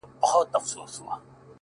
خو بس دا ستا تصوير به كور وران كړو’